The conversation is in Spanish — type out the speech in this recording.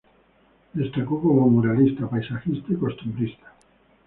Destacó como muralista, paisajista y costumbrista.